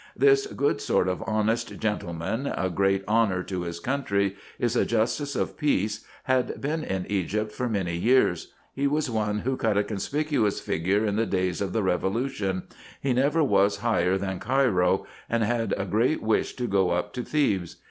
This good sort of honest gentleman, a great honour to his country as a justice of peace, had been in Egypt for many years ; he was one who cut a conspicuous figure in the days of the Revolution : he never was higher than Cairo, and had a great wish to go up to Thebes.